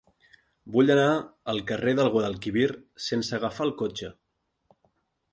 Vull anar al carrer del Guadalquivir sense agafar el cotxe.